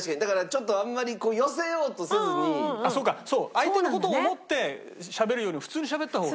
相手の事を思ってしゃべるよりも普通にしゃべった方が。